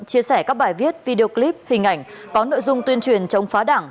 chia sẻ các bài viết video clip hình ảnh có nội dung tuyên truyền chống phá đảng